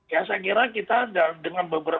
ya saya kira kita dengan beberapa